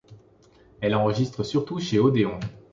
Elle enregistre surtout chez Odéon.